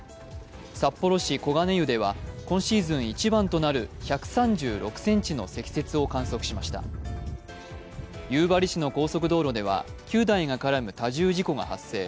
札幌市小金湯では今シーズン一番となる１３６ｃｍの積雪を観測しました夕張市の高速道路では９台が絡む多重事故が発生。